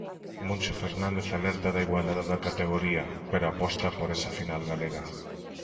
Moncho Fernández alerta da igualdade da categoría, pero aposta por esa final galega.